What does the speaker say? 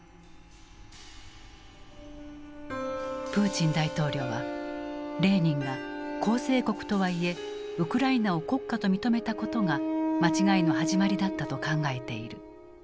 プーチン大統領はレーニンが構成国とはいえウクライナを国家と認めたことが間違いの始まりだったと考えている。